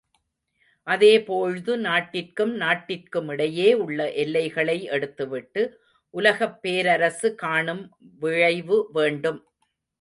அதேபோழ்து நாட்டிற்கும் நாட்டிற்குமிடையே உள்ள எல்லைகளை எடுத்துவிட்டு உலகப் பேரரசு காணும் விழைவு வேண்டும்.